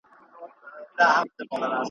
په ګودر کي لنډۍ ژاړي د منګیو جنازې دي `